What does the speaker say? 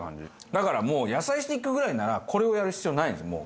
だからもう野菜スティックぐらいならこれをやる必要ないんですもう。